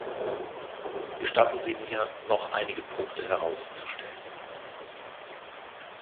Gestatten Sie mir, noch einige Punkte herauszustellen.